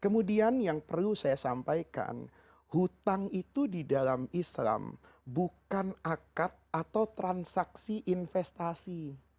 kemudian yang perlu saya sampaikan hutang itu di dalam islam bukan akad atau transaksi investasi